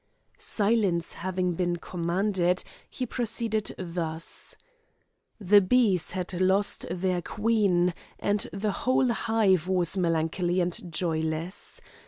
Silence having been commanded, he proceeded thus: "The bees had lost their queen, and the whole hive was melancholy and joyless.